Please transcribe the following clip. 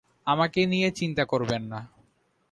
আমাকে নিয়ে চিন্তা করবেন না।